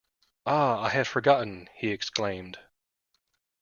Ah, I had forgotten, he exclaimed.